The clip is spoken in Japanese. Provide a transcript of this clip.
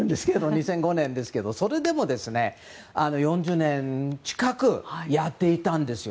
２００５年ですがそれでも４０年近くやっていたんですよ。